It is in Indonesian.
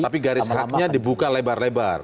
tapi garis haknya dibuka lebar lebar